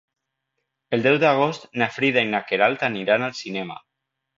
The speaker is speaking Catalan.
El deu d'agost na Frida i na Queralt aniran al cinema.